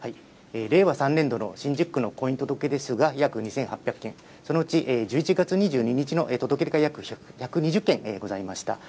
令和３年度の新宿区の婚姻届出数が約２８００件、そのうち１１月２２日の届け出が約１２０件ございました。